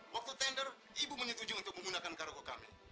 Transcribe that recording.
waktu tender ibu menyetujui untuk menggunakan kargo kami